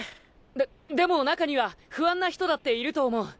ででも中には不安な人だっていると思う。